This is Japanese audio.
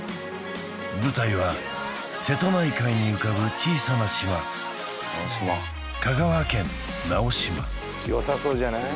舞台は瀬戸内海に浮かぶ小さな島香川県直島よさそうじゃない？